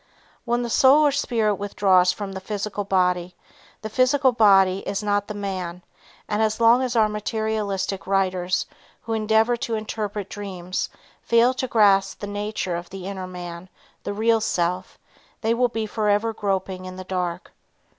When the soul or spirit withdraws from the physical body, the physical body is not the man, and as long as our materialistic writers who endeavor to interpret dreams fail to grasp the nature of the inner man, the real self, they will be forever groping in the dark.